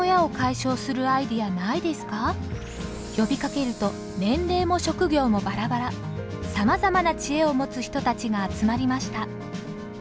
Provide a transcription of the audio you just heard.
呼びかけると年齢も職業もバラバラさまざまなチエを持つ人たちが集まりました。